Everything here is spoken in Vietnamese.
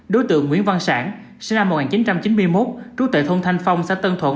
đối tượng nguyễn văn sản sinh năm một nghìn chín trăm chín mươi một trú tại thôn thanh phong xã tân thuận